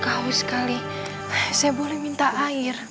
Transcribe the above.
kakak haus sekali saya boleh minta air